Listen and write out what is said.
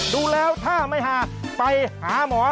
ดูแล้วถ้าไม่หาไปหาหมอ